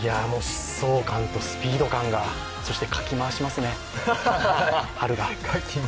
疾走感とスピード感で、そしてかき回しますね、ハルが。